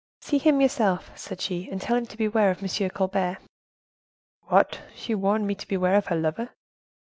"'See him yourself,' said she, 'and tell him to beware of M. Colbert.'" "What! she warned me to beware of her lover?"